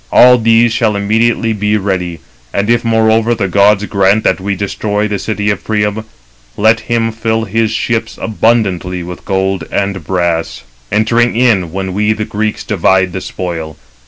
All these shall immediately be ready; and if, moreover, the gods grant that we destroy the great city of Priam, let him fill his ships abundantly with gold and brass, entering in when we the Greeks divide the spoil.